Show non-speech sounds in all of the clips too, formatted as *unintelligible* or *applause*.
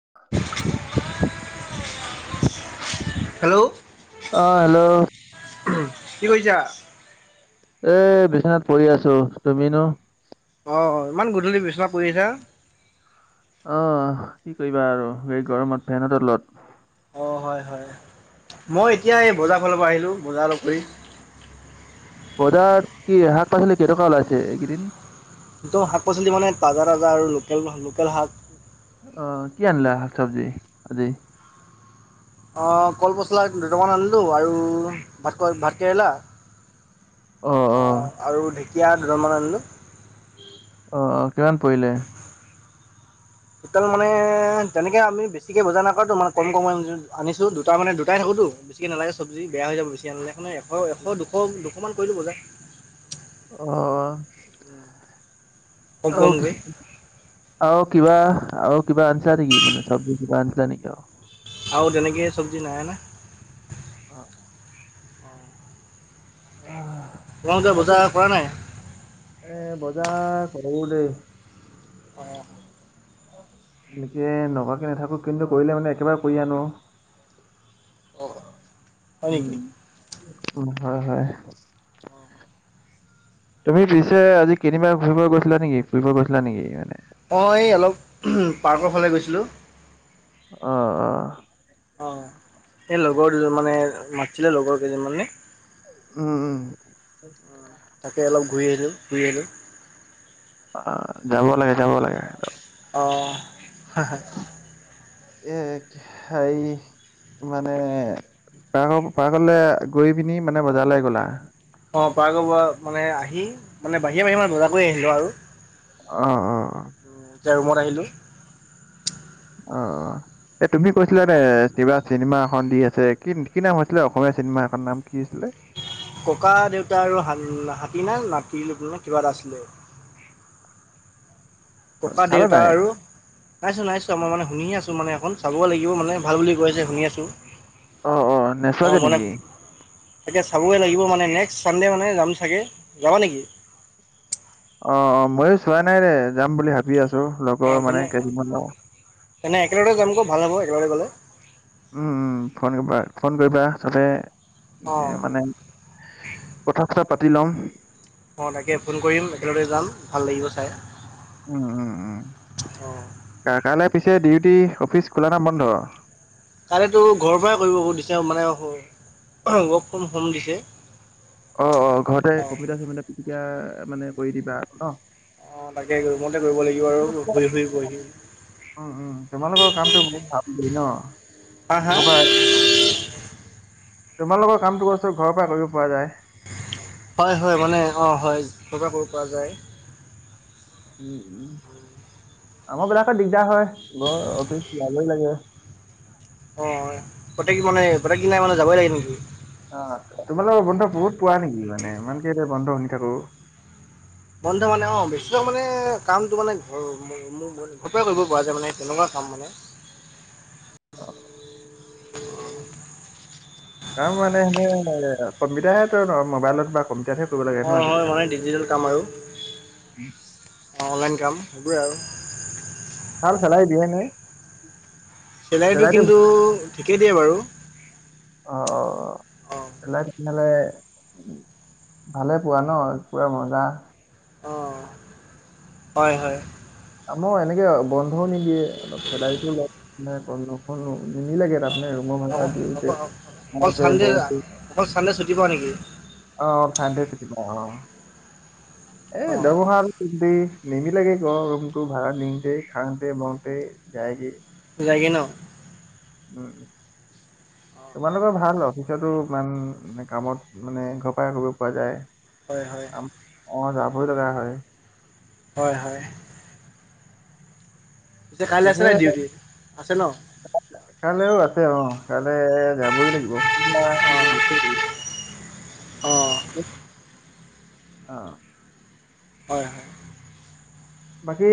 *unintelligible* Hello. অঁ hello কি কৰিছা? এ বিশ্বনাত পৰি আছো, তুমিনো? অঁ ইমান গধূলি বিচনা পৰি আছা। অঁ' কি কৰিবা আৰু এই গৰমত ফেনৰ তলত। অঁ' হয় হয়, মই এতিয়া এই বজাৰ ফালৰ পৰা আহিলোঁ বজাৰ অলপ কৰি। বজাত কি শাক পাচলি কেইটকা ওলাইছে এইকেইদিন। ত শাক পাচলি মানে তাজা তাজা আৰু লোকেল লোকেল শাক। অঁ' কি আনিলা শাক চাবজি আজি? অঁ' কলপচলা দুটামান আনিলোঁ আৰু ভাতক ভাতকেৰেলা- অ অ অঁ আৰু ঢেকীয়া দুদালমান আনিলোঁ। অঁ অঁ, কিমান পৰিলে? টোটেল মানে তেনেকে আমি বেছিকে বজাৰ নকৰাওঁতো মাল কম কম আনিছো, দুটা মানে দুটাই থাকোতো। বেছিকে নালাগে চব্জি বেয়া হৈ যাব বেছিকে আনিলে সেকানে এশ দুশ দুশমান কৰি লো বজাৰ। অঁ' কম আৰু কি? কমকৈ আৰু কিবা আৰু কিবা আনিছা নেকি মানে চৱজি কিবা আনিছা নেকি আৰু? আৰু তেনেকে চব্জি নাই আনা। অ' অহ' তোমালোকে বজাৰ কৰা নাই? এ বজাৰ কৰো দেই। অঁ' তেনেকে নকৱাকে নাথাকো। কিন্তু, কৰিলে মানে একেবাৰে কৰি আনো আও। হয় নেকি? উম' উম' হয় হয়। তুমি পিছে আজি কেনিবা ফুৰিব গৈছিলা নেকি ফুৰিব গৈছিলা নেকি মানে। অঁ' এই অলপ পাৰ্কৰ ফালে গৈছিলোঁ। অঁ অঁ। অঁ' এই লগৰ দুজনমানে মাতিছিলে লগৰ কেইজনমানে। উম উম' তাকে অলপ ঘূৰি আহিলো ফুৰি আছিলো। অঁ' যাব লাগে যাব লাগে অলপ। অ'‌ হাঁ হাঁ। এক হায়ি- মানে, পাৰ্ক পাৰ্কলে গৈ পিনি মানে বজাৰলে গ'লা। অঁ' পাৰ্গ পৰা মানে আহি মানে বাহিৰে বাহিৰে মানে বজাৰ কৰি আনিলো আৰু। অঁ' উম' এতিয়া ৰুমত আহিলো। অঁ অঁ, এ তুমি কৈছিলা যে কিবা- চিনেমা এখন দি আছে, কি কি নাম হৈছিলে অসমীয়া চিনেমা সেখন নাম কি হৈছিলে? ককা দেউতা আৰু হাতী নে নাতি কিবা এটা আছিলে। অ, ককা চালা দেউতা নাই? আৰু- নাইচোৱা নাই চোৱা মই মানে শুনিহে আছো মানে সেখন চাবগে লাগিব মানে ভাল বুলি কৈছে শুনি আছোঁ। অ', অ', অঁ নেচোৱাগে মনে- নেকি? এতিয়া চাব গৈ লাগিব মানে নেক্সট চানডে মানে যাম চাগে যাবা নেকি? অ, অ, মইয়ো চোৱা নাই ৰে, যাম বুলি ভাবি আছো। অ, লগৰ মানে তেনে, কেইজনমান লগৰ। তেনে, একেলগে যামগৈ, ভাল হ'ব একেলগে গ'লে। উম, উম, শনি বাৰ, ফোন কৰিবা তাতে অঁ মানে কথা-চথা পাতি লম। অ, তাকে ফোন কৰিম, একেলগতে যাম ভাল লাগিব চাই। উম, উম, উম, অঁ কাইলৈ পিছে ডিউটি, অফিচ খোলা না বন্ধ? তাৰে টো ঘৰৰ পৰাই কৰিব দিছে, মানে ৱৰ্ক ফ্ৰম, হোম দিছে। অ, অ, ঘৰতে অঁ কম্পিউটাৰ-চম্পিউটাৰ তেতিয়া মানে কৰি দিবা আৰু ন। অ, তাকে ৰুমতে কৰিব লাগিব আৰু শুই, শুই, কৰি দিম। উম, উম, তোমালোকৰ কামটো, বহুত ভাল বুলি ন, হা হা ঘৰ পাই। তোমালোকৰ কামটো অৱশ্যে, ঘৰৰ পৰা কৰিব পৰা যায়। হয়, হয়, মানে অ, হয়। ঘৰৰ পৰা কৰিব পৰা যায়। উম, আমাৰ বিলাকত দিগদাৰ হয়, ঘৰ অফিচ যাবই লাগে। অ, প্ৰত্যেকে মানে প্ৰত্যেক দিনাই মানে যাবই লাগে নেকি? অ, তোমালোকৰ বন্ধ বহুত পোৱা নেকি? মানে ইমানকে যে বন্ধ শুনি থাকো। বন্ধ মানে অ, বেছি ভাগ মানে, কাম মানে কামটো মানে ঘৰৰ মোৰ, ঘৰৰ পৰাই কৰিব পৰা যায়, মানে তেনেকুৱা কাম মানে অ, কাম মানে, সেই কম্পিউটাৰত হে, মোবাইলত বা কম্পিউটাৰত হে অ, হয় মানে, ডিজিটেল কাম আৰু অ, অনলাইন কাম সেইবোৰে আৰু। ভাল, চেলাৰী দিয়ে নে? চেলাৰীটো চেলাইটো কিন্তু, ঠিকেই দিয়ে বাৰু। অ, অ, অ, অ চেলাৰী ঠিকে হ'লে ভালে পোৱা ন, পুৰা মজা। অ, হয়, হয়। আমাৰ এনেকে আৰু বন্ধও নিদিয়ে, অলপ চেলাৰীটো কম, নিমিলেগে তাত মানে ৰুমৰ ভাৰা অক- দিওঁতে, অক- অকল খাওঁতে চানডে বহুতে অকল, চান্দে ছুটি পোৱা নেকি? অ, চান্দে ছুটী পাওঁ, অ, অ এই দৰমহা দি, নিমিলেগে ঘৰৰ ৰুমটো ভাড়া দিওঁতে, খাওঁতে, লওঁতে, যায়গে। যায়গে ন? উম, তোমালোকৰ ভাল হয়, আৰু অফিচতো ইমান কামত মানে ঘৰৰ পৰি কৰিব পৰা যায়। হয় হয় অ, যাবই লগা হয়। হয়, হয়। পিছে কাইলৈ আছে নে নাই ডিউটি, আছে ন? কাইাললৈও আছে অ, কাললৈ যাবই লাগিব। *unintelligible* অ, অ, হয়, হয়। বাকী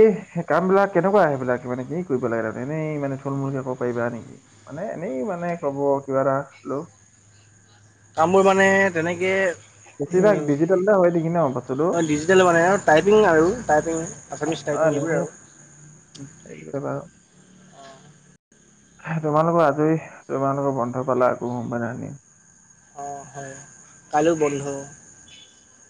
কামবিলাক কেনেকুৱা, সেইবিলাক মানে কি কৰিব লাগে, তাৰমানে এনেই মানে থুল-মূলকে কব পাৰিবা নেকি? মানে এনেই মানে, ক'ব কিবা এটা হ'লেও কামবোৰ মানে তেনেকেই বেছিভাগ উম, ডিজিটেলতে হয় নেকি ন বস্তুটো ডিজিটেল মানে, আৰু টাইপিং আৰু টাইপিং আছামিছ অ ষ্টটাইপিং এইবোৰে এনেকে আৰু *unintelligible* তোমালোকৰ আজৰি তোমালোকৰ বন্ধ পালা আকৌ সোমবাৰে আমি, অঁ হয় কাইলো বন্ধ।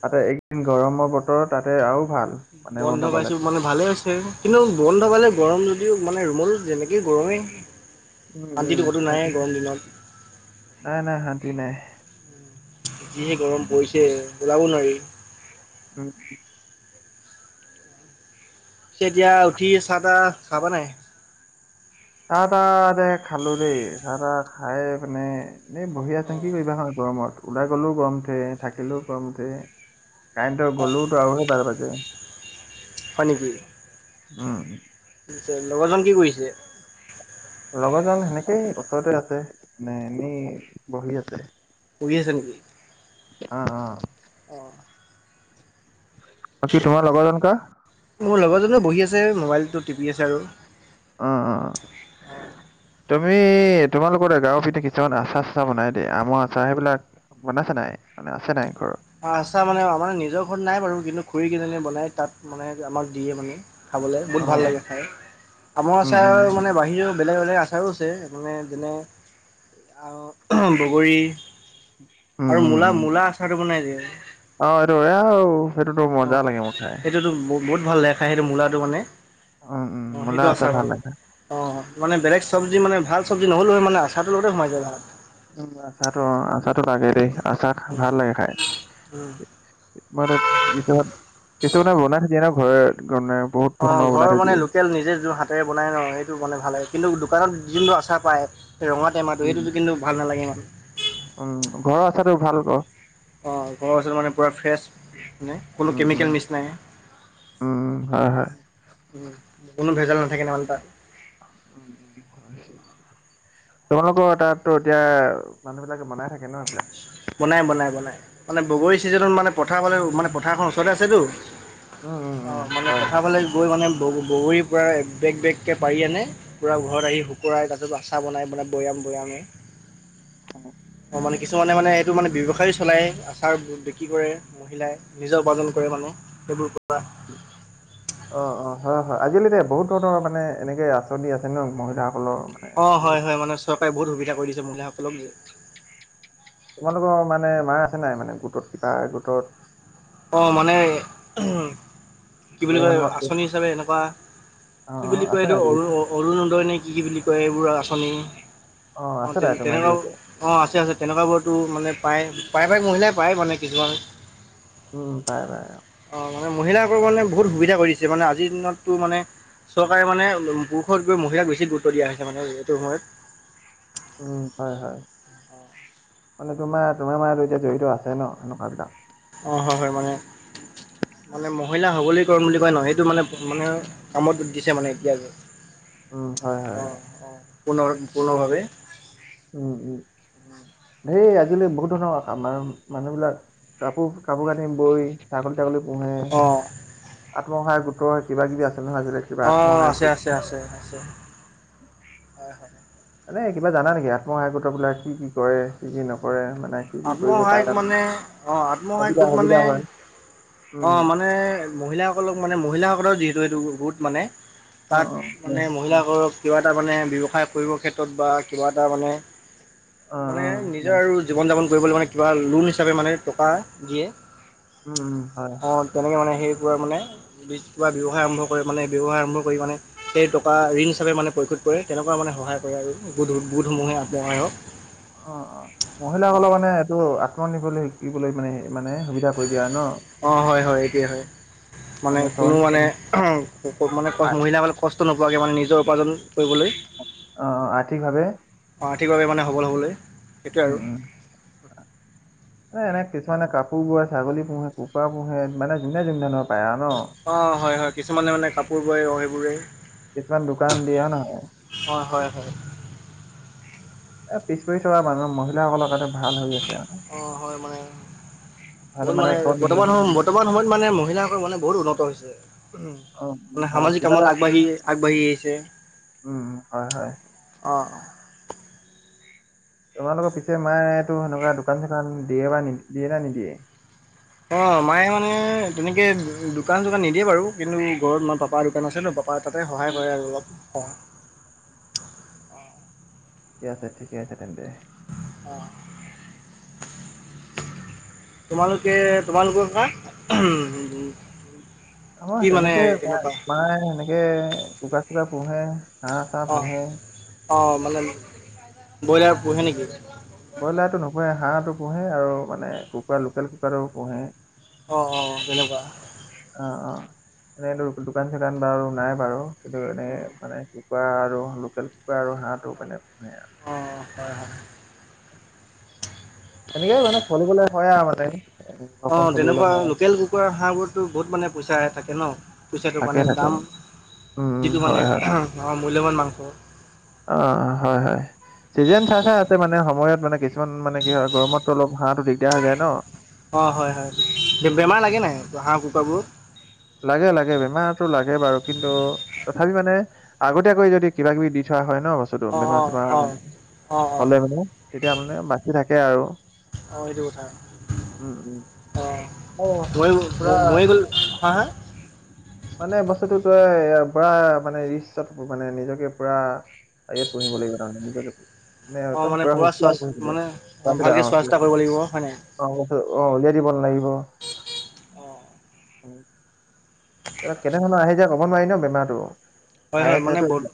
তাতে একদিন গৰমৰ বতৰ তাতে আৰু ভাল। মানে বন্ধ পালে পাইছো মানে ভালে হৈছে। কিন্তু বন্ধপালে গৰম যদিও মানে ৰুমত যেনেকে গৰমেই, উম উম শান্তিটো ক'তো নায়ে শান্তি নাই গৰম দিনত। নাই নাই শান্তি নাই। যিহে গৰম পৰিছে ওলাব নোৱাৰি। উম উম। এতিয়া উঠি চাহ তাহ খাবা নাই? চাহ তাহ যে খালো দেই চাহ তাহ খাই মানে এনে বহি আছো কি অঁ কৰিবা হয়। গৰমত ওলাই গ'লেও গৰম উঠে থাকিলেও গৰম উঠে, কাৰেণ্টৰ অঁ গ'লেও গৰমতে বাৰ বাজিজাই। হয় নেকি, উম লগৰজন কি কৰিছে? লগৰ জন সেনেকেই ওছৰতে আছে মানে এনেই বহি আছে। পঢ়ি আছে নেকি? অ অ অঁ বাকী তোমাৰ লগৰজন কা? মোৰ লগৰজনেও বহি আছে মোবাইলটো টিপি আছে আৰু, অ অ অ অঁ তুমি তোমালোকৰ গাঁৱৰ পিঠি কিছুমান আচাৰ চাচাৰ বনাই যে আমৰ আচাৰ সেইবিলাক, বনাইছে নাই মানে আছে নাই ঘৰত? আচচা মানে আমাৰ নিজৰ ঘৰত নাই বাৰু কিন্তু খুৰী কিজনে বনাই তাত মানে আমাক দিয়ে মানে। খাবলে অ বহুত ভাল লাগে খাই আমৰ উম উম আছাৰ মানে বাহিৰেও, বেলেগ বেলেগ আচাৰো আছে যেনে যেনে আউ বগৰী। উম আৰু উম মূলা উম মূলা আচাৰটো বনাই যে, অ হেইটো এয়াও অ সেইটোতো ব বহুত ভাল লাগে খাই সেইটো মূলাটো মানে। উম, উম, অ মূলা সেইটো আচাৰ আছাৰ ভাল বনাই। লাগে। অঁ মানে বেলেগ চবজি মানে ভাল চবজি নহলো হয় মানে আচাৰ টোৰ লগতে সোমাই যায় ভাত। উ আচাটো অ আচাটো লাগে দেই আচা উম ভাল লাগে খাই। উম কি ত কিছুমান কিছুমানমানে বনাই থৈ দিয়ে ন ঘৰ দনে অ ঘৰৰ মানে লোকেল নিজে যোৰহাট, তাতেৰে বনাই ন সেইটো মানে ভাল কিন্তু দোকানত যোনটো আচাৰ পায়, ৰঙা তেমাতো উম, সেইটো যে কিন্তু ভাল নালাগে সিমান। উম ঘৰৰ আচাটো ভাল ক। অ ঘৰৰ আছাৰটো মানে পুৰা ফ্ৰেচ মানে কোনো উম, কেমিকেল মিচ নাই। উম উম হয় হয়। উ কোনো ভেজাল নাথাকে মানে তাত। উম উম হয়। তোমলোকৰ তাতটো এতিয়া মানুহ বিলাকে বনাই থাকে ন এইবিলাক, বনাই বনাই বনাই, মানে বগৰী ছিজনত মানে পথাৰ ফালে মানে পথাৰখন ওচৰতে আছেতো। উম, উম, অ উম, মানে হয়, হয়। পথাৰ ফালে গৈ মানে বগ বগৰীৰ পৰা বেগ বেগকে পাৰি আনে। পূৰা ঘৰত আহি শুকুৱাই তাৰপিছত আচা বনাই বনাই বৈয়াম বৈয়ামেই। অহ। অ মানে কিছুমানে মানে এইটো মানে ব্যয়ৱসায় চলাই আচাৰ বিক্ৰী কৰে। বিলাই নিজে উপাৰ্জন কৰে মানোঁ সেইবোৰ পৰা। অ অ হয় হয় আজিলালি বহুত ধৰণৰ মানে এনেকে আঁচনি আছে ন মহিলাসকলৰ মানে। অ বহুত। হয় হয় মানে চৰকাৰে বহুত সুবিধা কৰি দিছে মহিলাসকলক যে। তোমালোকৰ মানে মাৰ আছে নাই মানে গোটত কিবা গোটত। অ মানে- কি বুলি তেনেকুৱা কয় ধৰণৰ আঁচনি হিচাপে এনেকুৱা, অ', কি অ', বুলি কয় আছে এইটো নাই অৰুণ- অৰুণোদয়নে কি কি বুলি কয় এইবোৰ আঁচনি, অ আছে তাই তোমাৰ জড়িত তেনেকুৱাও- অ আছে আছে তেনেকুৱাবোৰতো মানে পায় প্ৰায় প্ৰায় মহিলাই পায় মানে কিছুমান। উম পাই পাই। অ মানে মহিলাকো মানে বহুত সুবিধা কৰিছে মানে আজিৰ দিনততো মানে- চৰকাৰে মানে পুৰুষত গৈ মহিলাক বেছি গুৰুত্ব দিয়া হৈছে মানে এইটো সময়ত। উম হয় হয়, মানে তোমাৰ তোমাৰ মাজতো এতিয়া জড়িত আছে ন এনেকুৱা বিলাক। অঁহ হয় হয় মানে, মানে মহিলা সবলীকৰণ বুলি কয় ন এইটো মানে মানে- কামতো দিছে মানে এতিয়া যে, উম হয় হয় অ হয় অ পুনৰ পুৰ্নৰ ভাৱে। উম উম। সেই আজিলৈ বহুত ধৰণৰ আমান মানুহ বিলাক কাপোৰ কাপোৰ কানি বৈ- ছাগলী ছাগলী পোহে, অ' আত্মসহায়ক গোট্ৰৰ কিবা কিবি আছে নহয় আছিলে। অঁহ আছে আছে আছে আছে। উম। হয় হয়। মানে কিবা জানা নেকি আত্মসহায়কত বিলাক কি কি কৰে কি কি নকৰে মানে? কি কি কৰিব পাৰে আত্মসহায়ক তাৰমানে মানে অঁহ আত্মসহায়ক সুবিধা গোট সুবিধা মানে- হয় অ উম মানে মহিলাসকলক মানে মহিলাসকলৰ যিহেতু এইটো গোট মানে- অ তাত অ অ মানে মহিলাসকলক - কিবা এটা মানে ব্যৱসায় কৰিবৰ ক্ষেত্ৰত বা কিবা এটা মানে, অ অ মানে নিজৰ আৰু- জীৱন যাপন কৰিবলৈ মানে কিবা লোন হিচাপে মানে টকা দিয়ে। উম উম হয়। অঁহ তেনেকৈ মানে সেইবোৰ মানে, কিবা ব্যৱসায় আৰম্ভ কৰে মানে ব্যৱসায় আৰম্ভ কৰি মানে- সেই টকা ঋণ হিচাপে মানে প্ৰশোধ কৰে তেনেকুৱা মানে সহায় কৰে আৰু গোধসমূহে আত্মহাই হওক। অ অ। মহিলাসকলক মানে এইটো আত্মনিৰ্ভৰ শিকিবলৈ মানে মানে সুবিধা কৰি দিয়া আৰু ন। অঁহ হয় হয় এইটোৱে হয়, মানে কোনো মানে- মানে অ', মহিলাবলে কষ্ট নোপোৱাকৈ মানে নিজৰ উপাৰ্জন কৰিবলৈ। অ অ আৰ্থিকভাৱে। আৰ্থিকভাৱ মানে সবল হ'বলৈ। সেইটোৱে উম আৰু উম। এ এনে কিছুমানে কাপোৰ পোহে ছাগলী পোহে কুকুৰা পোহে মানে যোনে যোন ধৰণৰ পায় আৰু ন। অঁহ হয় হয় কিছুমানে মানে কাপোৰ বৰে সেইবোৰে। কিছুমান দোকান দিয়ে হয় নহয়। অ', হয়, হয়, এ পিছ পৰি থকা মানুহৰ মহ মহিলাসকলৰ কাৰতে ভাল হৈ গৈ আছে আৰু, অ', হয়, মানে ভাল বহুত মানে চব। বৰ্তমান সম বৰ্তমান সময়ত মানে মহিলাসকল মানে বহুত উন্নত হৈছে, অ', উম, মানে হয় সামাজিক কিবা কামত এটা আগবাঢ়ি। আগবাঢ়ি আহিছে, উম, উম, হয়, হয়। অ। তোমালোকৰ পিছে মায়ে টো সেনেকুৱা দোকান - চোকান দিয়ে বা নি দিয়ে নে নিদিয়ে? অ মায়ে মানে তেনেকে দোকান - চোকান নিদিয়ে বাৰু কিন্তু ঘৰত মাৰ পাপা দোকান আছে ন পা পা তাতে সহায় কৰে আৰু অলপ স ঠিকে আছে ঠিকে আছে তেন্তে। অ। *inaudible* তোমালোকে তোমালোকৰ পৰা উহম আমাৰ তেনেকে মা মায়ে সেনেকে কুকুৰা - চুকুৰা পোহে, হাঁহ - চাঁহ পোহে। অঁ মানে ব্ৰইলাৰ পোহে নেকি? ব্ৰইলাৰটো নুপোহে, হাঁহটো পোহে আৰু মানে কুকাৰ লোকেল কুকুৰাটো পোহে। অ অ তেনেকুৱা। অ অ, এনেতো দোকান- চোকান বাৰু নাই বাৰু কিন্তু এনেকে মানে কুকুৰা আৰু লোকেল কুকুৰা আৰু হাঁহটো মানে পোহে আৰু। অঁ হয় হয়। তেনেকেই মানে চলিবলৈ হয় আৰু মানে ঘৰখন অ', চলিবলৈ তেনেকুৱা হয়। লোকেল কুকুৰা, হাঁহবোৰতো বহুত মানে পইচাই থাকে ন? পইচাটো থাকে মানে থাকে। দাম উম, উম, যিটো মানে হয়, হয়। আহাঁ আমাৰ মূল্যৱান মাংস। অ হয় হয়। ছিজন চাই চাই ইহতে মানে সময়ত মানে কিছুমান মানে কি হয় গৰমতো অলপ হাঁহটো দিগদাৰ হৈ যায় ন? অঁ হয় হয়, বে বেমাৰ লাগে নাই হাঁহ, কুকুৰাবোৰত? লাগে লাগে বেমাৰটো লাগে বাৰু কিন্তু তথাপি মানে আগতীয়াকৈ যদি কিবা - কিবি দি থোৱা হয় ন বস্তুটো বেমাৰ - অ', চেমাৰ অ', মানে অ'। অ', অ', হলে মানে। তেতিয়া মানে বাচি থাকে আৰু। অ এইটো কথা, উম, উম। অ অ' মইও ম পুৰা ময় গল হা হা? মানে বস্তুটো তই পুৰা মানে ৰিক্সত মানে নিজকে পুৰা অ ইয়াত পুহিব লাগিব তাৰমানে নিজৰ নে অ', একদম মানে পূৰা শু চোৱা *inaudible* কৰিছিল মানে অ', ত। ভালকে চোৱা চিতা কৰিব লাগিব হয় নাই? অ হতে, অ উলিয়াই দিব নালাগিব, উম অ'। উম। অ কেনেফালে আহি যায় ক'ব নোৱাৰি ন বেমাৰটো? হয় হয় মানে ভাইৰাছে বত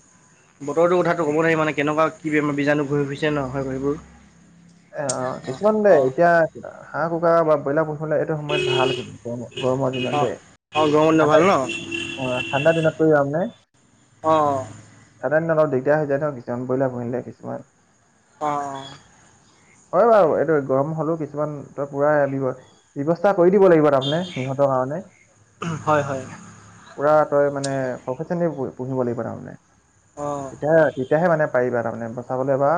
বতৰটো কথাটো ক'ব নোৱাৰি মানে কেনেকুৱা কি বেম বীজাণু ঘূৰি ফুৰিছে ন হয় সেইবোৰ। এ অ কিছুমান দে এতিয়া হাঁহ, কুকুৰা বা ব্ৰইলাৰ ব হলে এইটো সময়ত ভালখিনি গ গৰমৰ দিনত অ', দেই অ', গৰম দিনত ঠাণ্ডা ভাল ন? অ ঠাণ্ডা দিনত কৈ আমে অ'। ঠাণ্ডা দিনত অলপ দিগদাৰ হৈ যায় ন কিছুমান ব্ৰইলাৰ পুহিলে কিছমান। অ'। হয় বাৰু এইটো গৰম হলেও কিছুমান তই পুৰা ব্যৱ ব্যৱস্থা কৰি দিব লাগিব তাৰ মানে সিহঁতৰ কাৰণে। হয় হয় পুৰা তই মানে প্ৰফেচনে পু পুহিব লাগিব তাৰমানে। অ'। তেতিয়া তেতিয়াহে মানে পাৰিবা তাৰমানে বচাবলৈ বা